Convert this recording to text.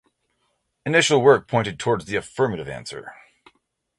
Initial work pointed towards the affirmative answer.